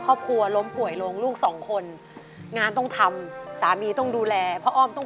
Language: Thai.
เปลี่ยนเพลงเพลงเก่งของคุณและข้ามผิดได้๑คำ